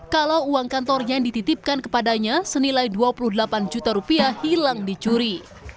kalau uang kantornya yang dititipkan kepadanya senilai dua puluh delapan juta rupiah hilang dicuri